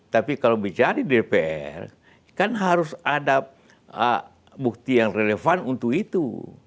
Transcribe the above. tapi kalau bicara di dpr kan harus ada bukti yang relevan untuk itu